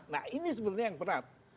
nah ini sebenarnya yang berat